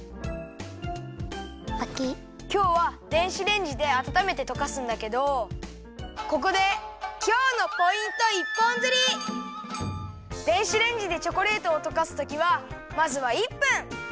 きょうは電子レンジであたためてとかすんだけどここで電子レンジでチョコレートをとかすときはまずは１分！